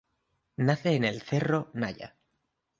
Nace en el Cerro Naya.